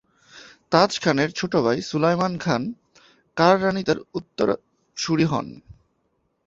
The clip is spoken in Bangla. তাজ খানের ছোট ভাই সুলায়মান খান কররানী তার উত্তরসুরি হন।